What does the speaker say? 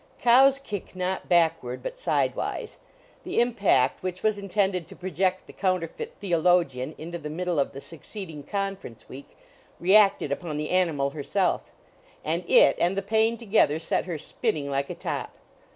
Cows kick, not backward but sidewise. The impact which was intended to project the counterfeit theologian into the middle of the succeeding conference week reacted upon the animal herself, and it and the pain together set her spinning like a top.